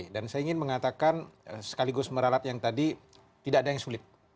saya ingin mengatakan sekaligus meralat yang tadi tidak ada yang sulit